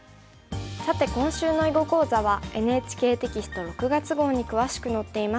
さて今週の囲碁講座はＮＨＫテキスト６月号に詳しく載っています。